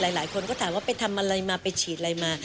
หลายคนก็ถามว่าไปทำอะไรมาไปฉีดอะไรมา